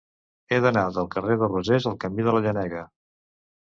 He d'anar del carrer de Rosés al camí de la Llenega.